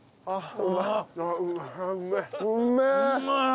ああ！